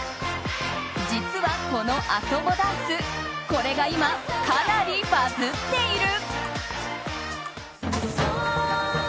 実は、この「ＡＳＯＢＯ」ダンスこれが今かなりバズっている。